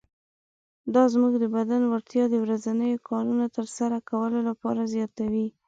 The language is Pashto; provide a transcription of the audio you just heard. دا زموږ د بدن وړتیا د ورځنیو کارونو تر سره کولو لپاره زیاتوي.